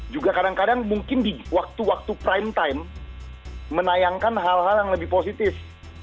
juga kadang kadang mungkin di waktu waktu prime time menayangkan hal hal yang lebih positif